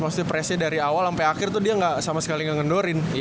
maksudnya pressnya dari awal sampe akhir tuh dia gak sama sekali nge ngendorin